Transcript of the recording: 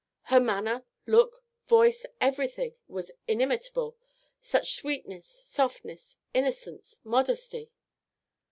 Her manner, look, voice, everything was inimitable; such sweetness, softness, innocence, modesty!